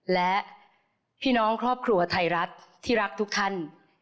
และพี่น้องครอบครัวไทยรัฐที่รักทุกท่าน